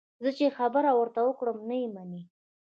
زه چې خبره ورته وکړم، نه یې مني.